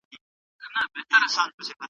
شریعت د انسانیت د ژغورنې لپاره راغلی.